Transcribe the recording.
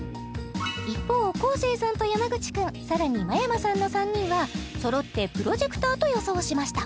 一方昴生さんと山口君さらに真山さんの３人はそろってプロジェクターと予想しました